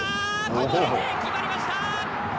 こぼれて決まりました！